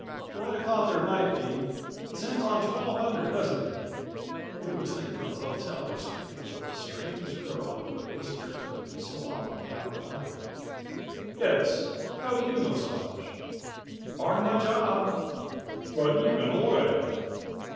"I thought there might be. Sends on 1200, doesn't he?" He was thinking of the hotel mystery and of the strange girl who had whispered to him so often out of the night. "Yes, how did you know so much?" "Part of my job." "But you've been away."